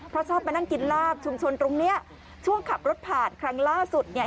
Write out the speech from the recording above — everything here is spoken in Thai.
เพราะชอบมานั่งกินลาบชุมชนตรงเนี้ยช่วงขับรถผ่านครั้งล่าสุดเนี่ย